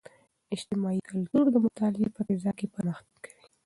اجتماعي کلتور د مطالعې په فضاء کې پرمختګ کوي.